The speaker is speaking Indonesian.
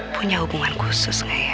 punya hubungan khusus nggak ya